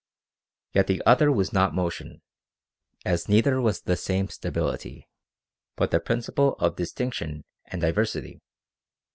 Yet the Other. was not motion, as neither was the Same stability, but the principle of distinction and diversity.